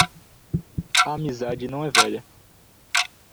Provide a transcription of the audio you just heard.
A amizade não é velha.